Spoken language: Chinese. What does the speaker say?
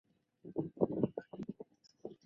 所有学会均由学生担任干事筹办活动。